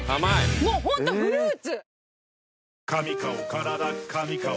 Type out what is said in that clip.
もうホントフルーツ！